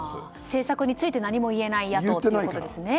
政策について何も言えない野党ということですね。